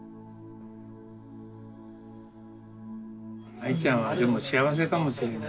アイちゃんはでも幸せかもしれない。